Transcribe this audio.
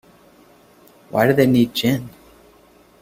Why do they need gin?